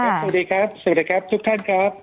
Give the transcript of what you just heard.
สวัสดีครับสวัสดีครับทุกท่านครับ